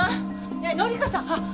ねえ紀香さん！あっ！